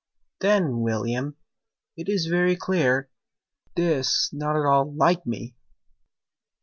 "Then, William, it is very clear 'Tis not at all LIKE ME!"